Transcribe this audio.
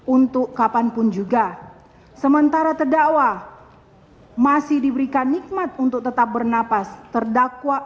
untuk kapanpun juga sementara terdakwa masih diberikan nikmat untuk tetap bernapas terdakwa